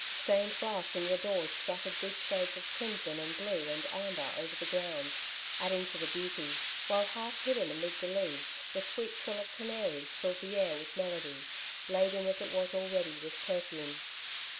The stained glass in the doors scjattered deep shades of crimson and blue and amber over the ground^ adding to the beauty; while, half hidden amid the leaves, the sweet trill of canaries filled the air with melody, laden as it was already with perfume.